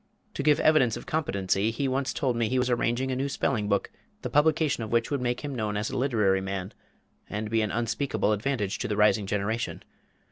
To give evidence of competency, he once told me he was arranging a new spelling book, the publication of which would make him known as a literary man, and be an unspeakable advantage to "the rising generation."